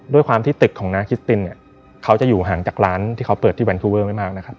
ด้วยความที่ตึกของนาคิสตินเนี่ยเขาจะอยู่ห่างจากร้านที่เขาเปิดที่แวนทูเวอร์ไม่มากนะครับ